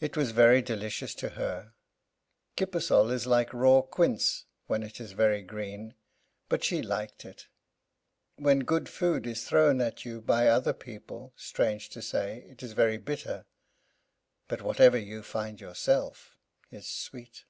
It was very delicious to her. Kippersol is like raw quince, when it is very green; but she liked it. When good food is thrown at you by other people, strange to say, it is very bitter; but whatever you find yourself is sweet!